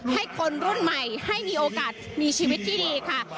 ให้คนรุ่นใหม่ให้มีโอกาสมีชีวิตที่ดีค่ะ